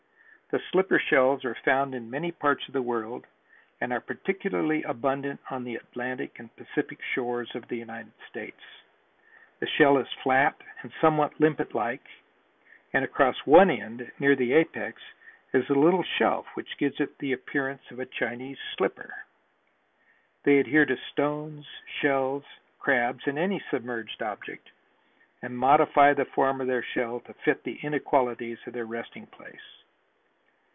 The slipper shells are found in many parts of the world and are particularly abundant on the Atlantic and Pacific shores of the United States. The shell is flat and somewhat limpet like, and across one end, near the apex, is a little shelf which gives it the appearance of a Chinese slipper. They adhere to stones, shells, crabs and any submerged object, and modify the form of their shell to fit the inequalities of their resting place.